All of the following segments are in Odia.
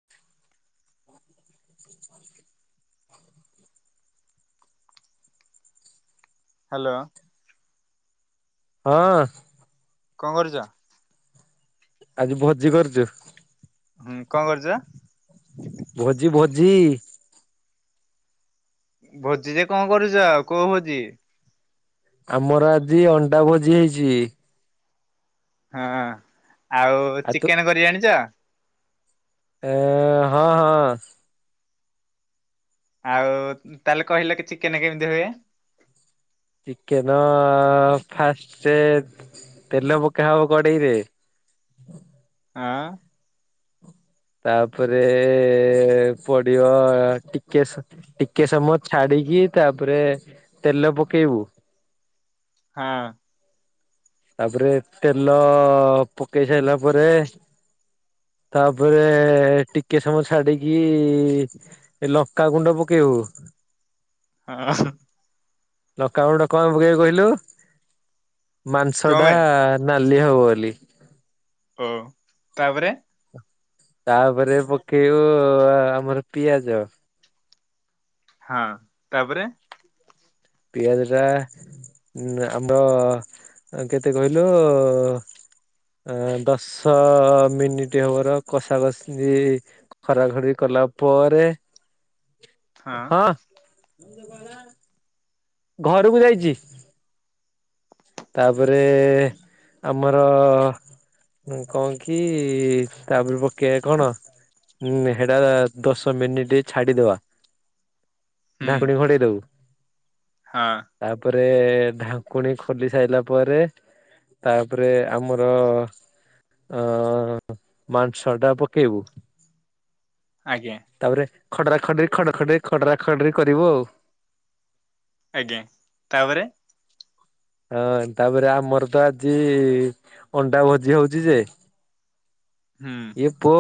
[unintelligible] ହାଲୋ। ହଁ। କଣ କରୁଛ? ଆଜି ଭୋଜି କରୁଛୁ। ହୁଁ କଣ କରୁଛ? ଭୋଜି ଭୋଜି। ଭୋଜିରେ କଣ କରୁଚ? କୋଉ ଭୋଜି? ଆମର ଆଜି ଅଣ୍ଡା ଭୋଜି ହେଇଛି। ହଁ, ଆଉ ଚିକେନ୍ କରି ଜାଣିଚ? ଏ -ଏ ହଁ, ହଁ-ହଁ। ଆଉ, ତାହେଲେ କହିଲ କି ଚିକେନ୍ କେମିଦି ହୁଏ? ଚିକେନ୍-ଅ ଫାଷ୍ଟେ ତେଲ ପକା ହବ କଡେଇରେ। ଆଁ। ତା'ପରେ-ଏ ପଡିବ, ଟିକେ ସ ଟିକେ ସମୟ ଛାଡିକି, ତା'ପରେ ତେଲ ପକେଇବୁ। ହାଁ। ତା'ପରେ ତେଲ-ଅ ପକେଇ ସାଇଲା ପରେ ତା'ପରେ ଟିକେ ସମୟ ଛାଡିକି-ଇ ଏ ଲଙ୍କା ଗୁଣ୍ଡ ପକେଇବୁ। ହଁ। ଲଙ୍କାଗୁଣ୍ଡ କଣ ପକେୟା କହିଲୁ? କଣ ମାଂସଟା ପାଇଁ? ନାଲି ହବ ବୋଲି। ଓ! ତା'ପରେ ତା'ପରେ ପକେଇବୁ ଆମର ପିଆଜ। ହଁ, ତା'ପରେ ପିଆଜ ଟା ଆମର କେତେ କହିଲୁ-ଉ ଆଁ ଦଶ ମିନିଟ୍ ହବାର କଷା କଷି ଖରା ଘଡି କଲା ପରେ, ହଁ ଘରକୁ ଯାଇଛି। ତା'ପରେ ଆମର ନୁଁ କଁ କି, ତା'ପରେ ପକେଇବା କଣ? ହୁଁ ହେଡା ଦଶ ମିନିଟ୍ ଛାଡିଦବା। ହୁଁ ଢାଙ୍କୁଣି ଘୋଡ଼େଇ ଦବୁ। ହଁ। ତା'ପରେ ଢାଙ୍କୁଣି ଖୁ ଖୋଲି ସାଇଲା ପରେ, ତା' ପରେ ଆମର ଅଁ-ଅ ମାଂସ ଟା ପକେଇବୁ। ଆଜ୍ଞା। ତା'ପରେ ଖଡ୍ରା ଖର୍ଡି ଖଡ୍ରା ଖଡି ଖଡ୍ରା ଖର୍ଡି କରିବୁ ଆଉ। ଆଜ୍ଞା ତା'ପରେ? ହଁ, ତା'ପରେ ଆମର ତ ଆଜି ଅଣ୍ଡା ଭୋଜି ହଉଛି ଯେ ହୁଁ। ଏ ପୁଅ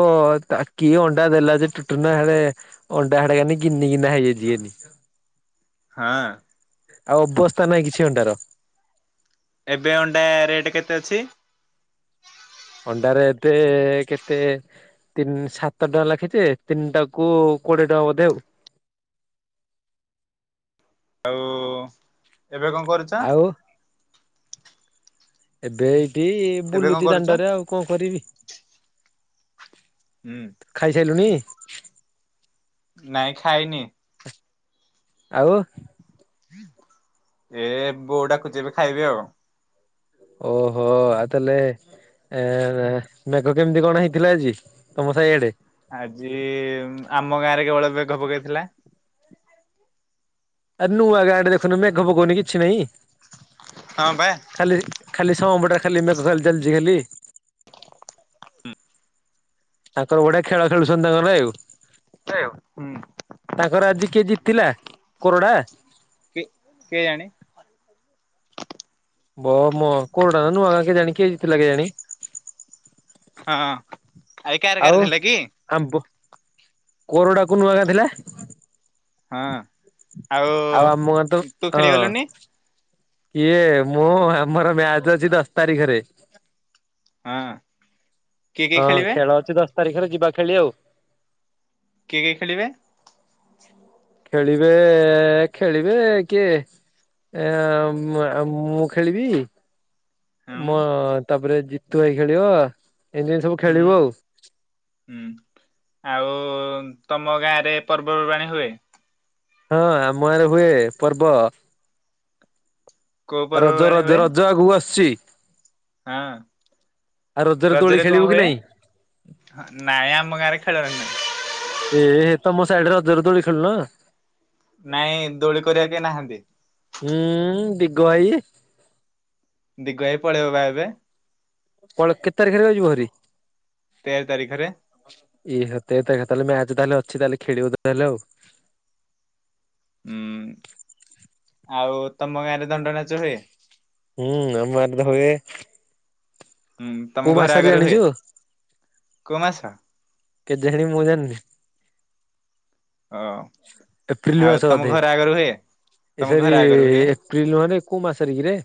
ତା କିି ଅଣ୍ଡା ଦେଲା, ଯେ ଟୁଟୁନା ହେଡେ ଅଣ୍ଡା ହେରା କାନି ଗିନିଗିନା ହେଇଯାଇଛି କାନି। ହଁ। ଆଉ, ଅବସ୍ଥା ନାହିଁ କିଛି ଅଣ୍ଡା ର। ଏବେ ଅଣ୍ଡା ରେଟ୍ କେତେ ଅଛି? ଅଣ୍ଡା ରେଟେ ଏ କେତେ? ତିନି ସାତ ଟଙ୍କା ଲାଖେଯେ, ତିନିଟା କୁ କୋଡିଏ ଟଙ୍କା ବୋଧେ ଆଉ। ଆଉ, ଏବେ କଣ କରୁ ଆଉ। ଏବେ ଏଇଠି-ଇ, ଏବେ କଣ ବୁଲୁଚି କରୁଛ? ଦାଣ୍ଡରେ ଆଉ କଣ କରିବି? ହୁଁ ଖାଇ ସାଇଲୁଣିି? ନାଇଁ ଖାଇନି। ଆଉ। ଏ ବୋଉ ଡାକୁଛି ଏବେ ଖାଇବି ଆଉ ଓହୋ ଆ ତାହେଲେ ଏ ମେଘ କେମିତି କଣ ହେଇଥିଲା ଆଜି ତମ ସାହିଆଡେ ଆଜି ଆମ ଗାଁରେ କେବଳ ମେଘ ପକେଇଥିଲା ଆଉ ନୂଆ ଗାଁଡେ ଦେଖୁନୁ ମେଘ ପକଉନି କିଛି ନାହିଁ ହଁ ଭା- ଖାଲି ଖାଲି ସମ ପେଟରେ ଖାଲି ମେ ଖାଲି ଚାଲିଛି ଖାଲି ତାଙ୍କର ଗୋଟେ ଖେଳ ଖେଳୁଛନ୍ତି ତାଙ୍କ ପାଇଁ ଆଉ [unintelligible] ହୁଁ ତାଙ୍କର ଆଜି କେ ଜିିତିଲା କୋରଡ଼ା କେ କେଏ ଜାଣି ବୋ ମୋ କୋଉଟା ନା ନୂଆଁ କ କେ ଜାଣି କିଏ ଜିତିଥିଲା କେ ଜାଣି ହଁ ଆଜି ଆଉ କାରକାର ଥିଲା କି? ଆମ୍ବ କୋରଡାକୁ ନୂଆଗାଁ ଥିଲା ହଁ ଆଉ ଆମକୁ ତ ତୁ ହଁ ଖେଳିଗଲୁନି ଇଏ ମୁଁ ଆମର ମ୍ୟାଚ ଅଛି ଦଶ ତାରିଖରେ ହଁ କିଏ କିଏ ହଁ ଖେଳିବେ ଖେଳ ଅଛି ଦଶ ତାରିଖରେ ଯିବା ଖେଳି ଆଉ କିଏ କିଏ ଖେଳିବେ? ଖେଳିବେ ଖେଳିବେ କିଏ? ଏ ମୁଁ ଖେଳିବି ହୁଁ ମୋ ତାପରେ ଜିତୁ ଭାଇ ଖେଳିବ ଏମିତି ଏତି ସବୁ ହୁଁ ଖେଳିବ ଆଉ ହୁଁ ଆଉ ତମ ଗାଁ ରେ ପର୍ବପର୍ବାଣୀ ହୁଏ ହଁ ଆମ ଆରେ ହୁଏ ପର୍ବ କୋଉ ରଜ ପର୍ବପର୍ବାଣୀ ରଜ ହୁଏ? ରଜ ଆଗକୁ ଆସୁଛି ହଁ ଆଉ ଦୋଳି ରଜରେ କଣ ଖେଳିବୁ କି ହୁଏ? ନାଇଁ? ହଁ ନାଇଁ ଆମ ଗାଁରେ ଖେଳ ହୁଏ ନି ତ? ଏ ତମ ସାଇଡରେ ରଜରେ ଦୋଳି ଖେଳୁନ? ନାଇଁ ଦୋଳି କରିବା କେ ନାହାନ୍ତି ହୁଁ ଦିଗୁ ଭାଇ ଦିଗୁ ଭାଇ ପଳେଇବ ବା ଏବେ ପଳେଇବ କେତେ ତାରିଖରେ ଯିବ ହେରି ତେର ତାରିଖରେ ତେର ତାରିଖରେ ତାହେଲେ ମ୍ୟାଚ ତାହେଲେ ଅଛି ତାହେଲେ ଖେଳିବ ତାହେଲେ ଆଉ ହୁଁ ଆଉ ତମ ଗାଁରେ ଦଣ୍ଡ ନାଚ ହୁଏ ହୁଁ ଦଣ୍ଡ ନାଚ ହୁଏ ହୁଁ ତମ କୋଉ ଘରେ ମାସରେ ଆଗରେ ହୁଏ ଜାଣିଛୁ କୋଉ ମାସ? କେତେ [unintelligible] ମୁଁ ଜାଣିନି ଓ ଏପ୍ରିଲ ଆଉ ମାସ ତମ ବୋଧେ ଘର ଆଗରେ ହୁଏ? ତମ ଘର ଏସରି ଆଗରେ ହୁଏ ଏପ୍ରିଲ ନହରେ କୋଉ ମାସରେ କିରେ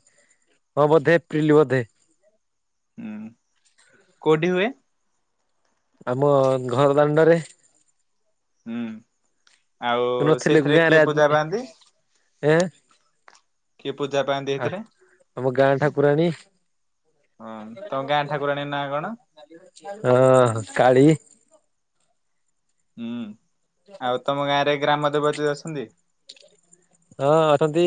ହଁ ବୋଧେ ଏପ୍ରିଲ ବୋଧେ ହୁଁ କୋଉଠି ହୁଏ? ଆମ ଘର ଦାଣ୍ଡରେ ହୁଁ ଆଉ ତୁ ନଥିଲୁ କି ସେଥିରେ ଗାଁରେ କିଏ ଆଜି ପୂଜା ପାଆନ୍ତି ଏଁ କିଏ ପୂଜା ପାଇଁ ଆ ଦେଇଥିଲେ? ଆମ ଗାଁ ଠାକୁରାଣୀ ହଁ ତମ ଗାଁ ଠାକୁରାଣୀ ନାଁ କଣ? ହଁ କାଳି ହୁଁ ଆଉ ତମ ଗାଁ ରେ ଗ୍ରାମ ଦେବତୀ ଅଛନ୍ତି? ହଁ ଅଛନ୍ତି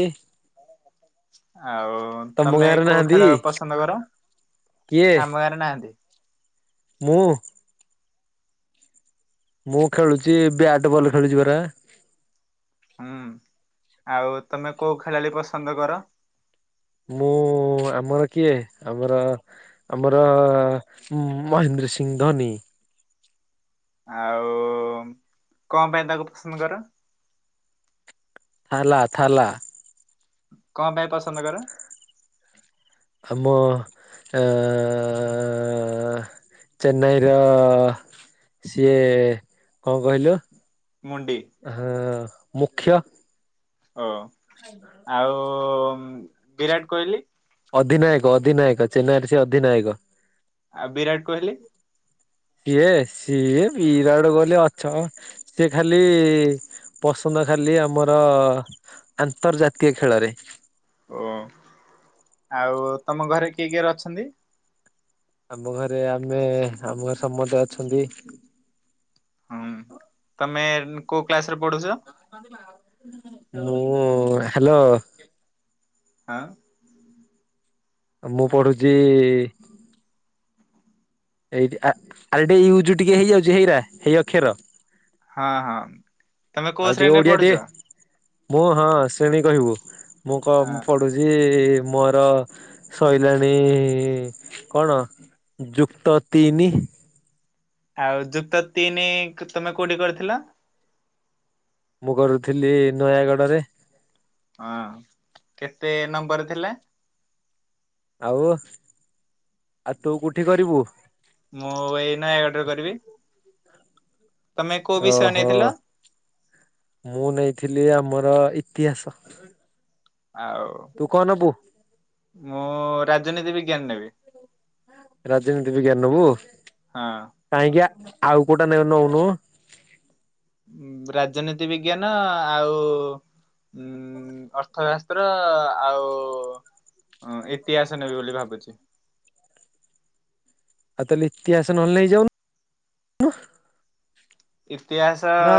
ଆଉ ତମ ତମେ ଗାଁରେ କୋଉ ନାହାନ୍ତି ଖେଳ ପସନ୍ଦ କର କିଏ ଆମ ଗାଁରେ ନାହାନ୍ତି ମୁଁ। ମୁଁ ଖେଳୁଛି ବ୍ୟାଟ୍ ବଲ୍ ଖେଳୁଛି ପରା। ହୁଁ ଆଉ ତମେ କୋଉ ଖେଳାଳି ପସନ୍ଦ କର? ମୁଁ ଆମର କିଏ ଆମର ଆମର ମହେନ୍ଦ୍ର ସିଂ ଧୋନି। ଆଉ କଣ ପାଇଁ ତାକୁ ପସନ୍ଦ କର? ଲା ଲା କଣ ପାଇଁ ପସନ୍ଦ କର? ମୋ ଚେନ୍ନାଇ ର ସିଏ କଣ କହିଲୁ? ମୁଡି ହଁ ମୁଖ୍ୟ ଓ ଆଉ ବିରାଟ କୋହଲି? ଅଧିନାୟକ ଅଧିନାୟକ ଚେନ୍ନାଇରେ ସେ ଅଧିନାୟକ। ଆଉ ବିରାଟ କୋହଲି? କିଏ ସିଏ ବିରାଡ କୋଇଲି ଅଛି ନା ସେଏ ଖାଲି ପସନ୍ଦ ଖାଲି ଆମର ଆନ୍ତର୍ଜାତୀୟ ଖେଳରେ। ଓ ଆଉ ତମ ଘରେ କିଏ କିଏରେ ଅଛନ୍ତି? ଆମ ଘରେ ଆମେ ଆମ ଘରେ ସମସ୍ତେ ଅଛନ୍ତି। ହୁଁ ତମେ କୋଉ କ୍ଲାସ ରେ ପଢୁଛ? ମୁଁ ହ୍ୟାଲୋ। ହଁ। ମୁଁ ପଢୁଛି ଏଇଠି ଆ ଟେ ଇଜ ଟିକେ ହେଇଯାଉଛି ହେଇରା ହେଇ ଅକ୍ଷର। ହଁ ହଁ। ତମେ କୋଉ ଆଉ ଟିକେ ଶ୍ରେଣୀରେ ଓଡିଆ ପଢୁଛ? ଟିକେ ମୁଁ ହଁ ସେମି କହିବୁ ମୁଁ କ ହଁ କରୁଛି ମୋର ସାରିଲାଣି କଣ? ଯୁକ୍ତ ତିନି। ଆଉ ଯୁକ୍ତ ତିନି ତମେ କୋଉଠି କରିଥିଲ? ମୁଁ କରୁଥିଲି ନୟାଗଡ ରେ। ହଁ କେତେ ନମ୍ବର ଥିଲା? ଆଉ ଆଉ ତୁ କୋଉଠି କରିବୁ? ମୁଁ ଏଇ ନଁ ଅର୍ଡର କରିବି, ତମେ କୋଉ ବିଷୟ ଓହୋ ନେଇଥିଲ? ମୁଁ ନେଇଥିଲି ଆମର ଇତିହାସ। ଆଉ। ତୁ କଣ ନବୁ? ମୁଁ ରାଜନୀତି ବିଜ୍ଞାନ ନେବି। ରାଜନୀତି ବିଜ୍ଞାନ ନବୁ? ହଁ। କାହିଁକି ଆଉ କୋଉଟା ନେ ନଉନୁ। ରାଜନୀତି ବିଜ୍ଞାନ ଆଉ ଉଁ ଅର୍ଥବସ୍ତ୍ର ଆଉ ହଁ ଇତିହାସ ନେବି ବୋଲି ଭାବୁଛି। ଆଉ ତାହେ ଇତିହାସ ନେଇ ଯାଉନୁ। ଓୁହ। ଇତିହାସ। ନା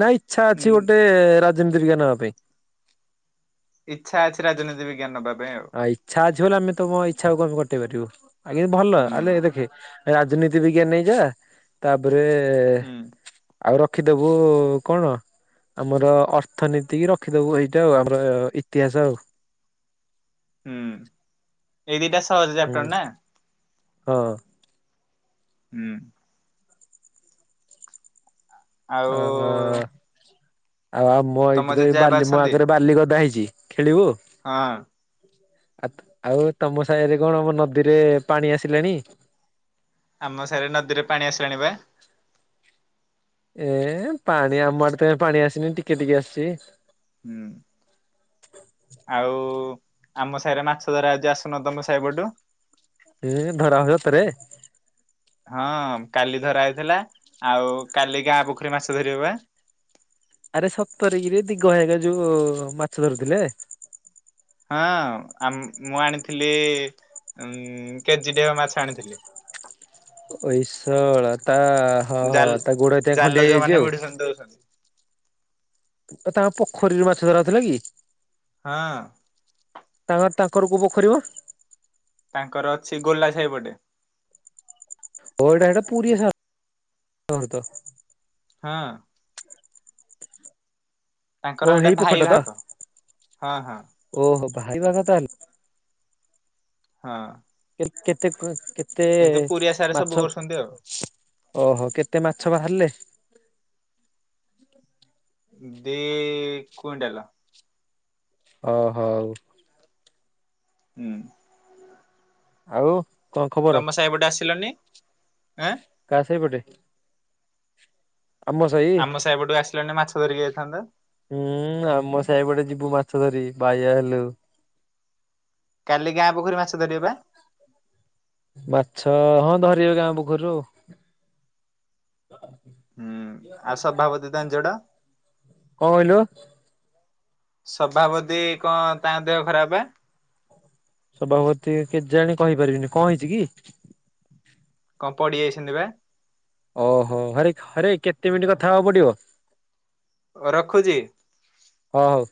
ନା ଇଚ୍ଛା ଉଁ ଅଛି ଗୋଟେ ରାଜନୀତି ବିଜ୍ଞା ନବା ପାଇଁ। ଇଚ୍ଛା ଅଛି ରାଜନୀତି ବିଜ୍ଞାନ ନବା ପାଇଁ ଆଉ। ଇଚ୍ଛା ଆଛି ବୋଲିଲେ ଆମେ ତମ ଇଚ୍ଛାକୁ ଆମ କଟେଇ ପାରିବୁ। ଆ କି ଭଲ ହୁଁ ଆଲେ ଦେଖେ ରାଜନୀତି ବିଜ୍ଞା ନେଇଯା ତାପରେ ହୁଁ ଆଉ ରଖିଦବୁ କଣ ଆମର ଅର୍ଥନୀତି କି ରଖିଦବୁ ହେଇଟା ଆଉ ଆମର ଇତିହାସ ଆଉ। ଉଁ ଏଇ ଦିଟା ସହଜ ହୁଁ ଚାପ୍ଟର୍ ନା? ହଁ। ଉଁ। ଆଉ ଆ ହା ଆଉ ଆ ମୋ ତମ ଏଇଠି ତ ଏଇ ଜେଜେ ବାପା ବାଲି ମୋ ଅଛନ୍ତି? ଆଗରେ ବାଲି ଗଦା ହେଇଛି ଖେଳିବୁ। ହଁ। ଆତ୍ ଆଉ ତମ ସାହିରେ କଣ ବ ନଦୀରେ ପାଣି ଆସିଲାଣି? ଆମ ସାଇରେ ନଦୀରେ ପାଣି ଆସିଲାଣି ବା। ଏ ପାଣି ଆମ ଆଡ଼େ ତ ଏ ପାଣି ଆସିନି ଟିକେ ଟିକେ ଆସିଚି। ହୁଁ। ଆଉ ଆମ ସାଇରେ ମାଛ ଧରା ହଉଛି ଆସୁନ ତମ ସାଇ ପଟୁ। ଏ ଧରା ହୁଏ ତରେ ହଁ କାଲି ଧରା ହେଇଥିଲା ଆଉ କାଲି ଗାଁ ପୋଖରୀ ମାସ ଧରିବ ବା। ଆରେ ସତର କିରେ ଦିଗ ଭାଇ ହେରିକା ଯୋଉ ମାଛ ଧରୁଥିଲେ। ହଁ ଆମ୍ ମୁଁ ଆଣିଥିଲି ଉମ୍ କେଜିଟେ ହବ ମାଛ ଆଣିଥିଲି। ଏଇ ଶଳା ତା ହଁ ହଁ ଜାଲ ତା ଗୋଡ଼ ଏ ଟେ ଜାଲ ଖଣ୍ଡି ହେଇଯାଇଚି ଆଉ। [unintelligible] ତାଙ୍କ ପୋଖରୀରେ ମାଛ ଧରା ହଉଥିଲା କି? ହଁ। ତାଙ୍କ ତାଙ୍କର କୋଉ ପୋଖରୀ ମ? ତାଙ୍କର ଅଛି ଗୋଲା ସାଇ ପଟେ। ଓ ଏଟା ହେଟା ପୁରିଆ [unintelligible] ତ ହଁ। ତାଙ୍କର ଓ ହେଇଟା ହେଇ ଭାଇ ପୋଖରୀଟା ତ ଭାଗ ହଁ ହଁ। ଓହୋ ଭାଇ ଭାଗ ତାହେଲେ। ହଁ। କେ କେତେ କ କେତେ କିନ୍ତୁ ପୁରୀ ଆଶାରେ ସବୁ ମାଛ? କରୁଛନ୍ତି ଆଉ ଓହୋ କେତେ ମାଛ ବାହାରିଲେ? ଦି କୁଇଣ୍ଟାଲ। ଓ ହଉ। ଉଁ। ଆଉ କଣ ଖବର? ତମ ସାହିପଟେ ଆସିଲନି ଆଁ କା ସାଇପଟେ? ସାହି ଆମ ସାଇ ପଟୁ ଆସିଲନି ମାଛ ଧରିକି ଯାଇଥାନ୍ତ। ଉଁ ଆମ ସାଇ ପଟେ ଯିବୁ ମାଛ ଧରି ବାଇଆ ହେଲୁ। କାଲି ଗାଁ ପୋଖରୀ ମାଛ ଧରିବ ବା? ମାଛ ହଁ ଧରିବେ ଗାଁ ପୋଖରୀରୁ ଆଉ। ହୁଁ ଆଉ ସଭାପତି କଣ ତାଙ୍କ ଜଡ କହିଲୁ? ସଭାପତି କଁ ତାଙ୍କ ଦେହ ଖରାପେ? ସଭାପତି କେଜାଣି କହିପାରିବିନି କଣ ହେଇଛି କି? କଁ ପଡ଼ିଯାଇଛନ୍ତି ବା। ଓହୋ ହରେ ହରେ କେତେ ମିଣ୍ଟି କଥା ହବା ପଡ଼ିବ? ହ ରଖୁଛି। ହଉ।